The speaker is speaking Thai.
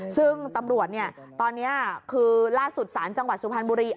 ซึ่งตำรวจตอนนี้คือล่าสุดศาลจังหวัดสุพรรณบุรี